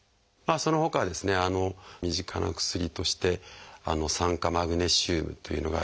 そのほかはですね身近な薬として「酸化マグネシウム」というのがあります。